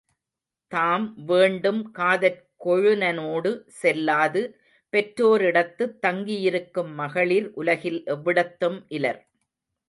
தாம் வேண்டும் காதற் கொழுநனோடு செல்லாது பெற்றோரிடத்துத் தங்கியிருக்கும் மகளிர் உலகில் எவ்விடத்தும் இலர்.